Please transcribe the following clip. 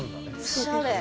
おしゃれ。